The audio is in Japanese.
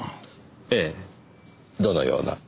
ええどのような？